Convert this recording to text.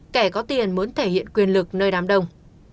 kẻ có tiền muốn thể hiện quyền lực nơi đám đông